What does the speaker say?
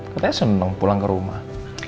katanya senang pulang ke rumah